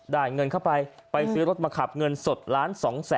ได้เงินเข้าไปไปซื้อรถมาขับเงินสด๑๒๒๐๐๐๐บาท